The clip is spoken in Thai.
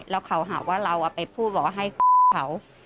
แล้วเขาหาว่าเราเอาไปพูดบอกว่าให้เขา